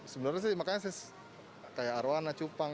sebenarnya makannya saya kayak arowana cupang